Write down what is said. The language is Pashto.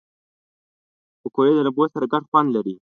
پکورې د لمبو سره ګډ خوند لري